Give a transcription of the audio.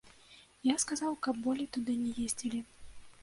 Я сказаў, каб болей туды не ездзілі.